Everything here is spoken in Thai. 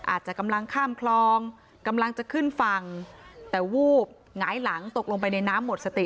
อาจจะกำลังข้ามคลองกำลังจะขึ้นฝั่งแต่วูบหงายหลังตกลงไปในน้ำหมดสติ